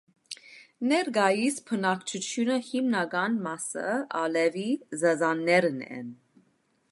Ներկայիս բնակչությունը հիմնական մասը ալևի զազաներն են։